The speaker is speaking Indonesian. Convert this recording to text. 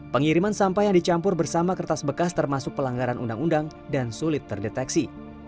pengiriman sampah yang dicampur bersama kertas bekas termasuk pelanggaran undang undang dan sulit terdeteksi